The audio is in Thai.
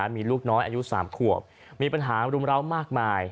มีลูกน้อยอายุ๓ขวบมีปัญหารุมร้าวมากมาย